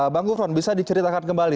bang gufron bisa diceritakan kembali